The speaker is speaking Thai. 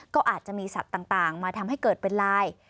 ก็อาจจะมีสัตว์ต่างมาทำให้เกิดเป็นลาย